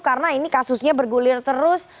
karena ini kasusnya bergulir terus